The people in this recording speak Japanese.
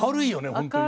本当にね。